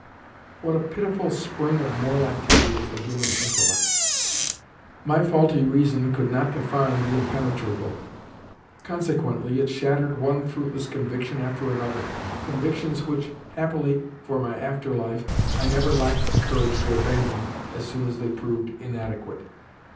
What a pitiful spring of moral activity is the human intellect! My faulty reason could not define the impenetrable. Consequently it shattered one fruitless conviction after another—convictions which, happily for my after life, I never lacked the courage to abandon as soon as they proved inadequate.